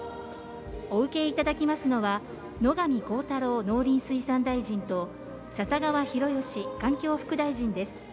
お受けいただきますのは野上浩太郎農林水産大臣と笹川博義環境副大臣です。